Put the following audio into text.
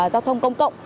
giao thông công cộng